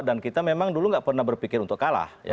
dan kita memang dulu nggak pernah berpikir untuk kalah